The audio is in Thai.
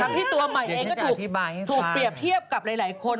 ที่ตัวใหม่เองก็ถูกเปรียบเทียบกับหลายคน